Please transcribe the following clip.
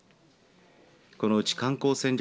このうち観光戦略